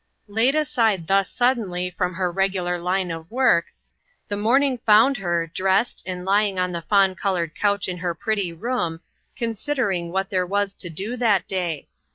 Laid aside thus suddenly from her regular line of work, the morning found her, dressed, and lying on the fawn colored couch in her pretty room, considering what there was to do that day.